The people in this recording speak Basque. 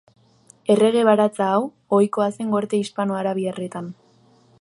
Errege baratza hau, ohikoa zen gorte hispano-arabiarretan.